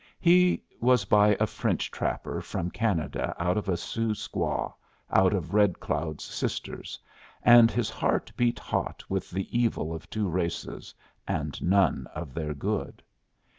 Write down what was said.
He was by a French trapper from Canada out of a Sioux squaw, one of Red Cloud's sisters, and his heart beat hot with the evil of two races, and none of their good.